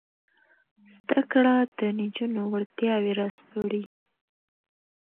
زده کړه د نجونو وړتیاوې راسپړي.